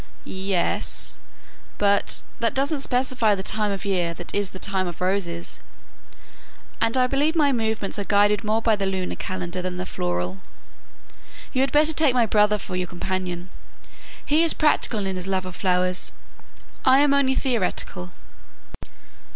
"Yes; but that doesn't specify the time of year that is the time of roses; and I believe my movements are guided more by the lunar calendar than the floral. You had better take my brother for your companion; he is practical in his love of flowers, I am only theoretical."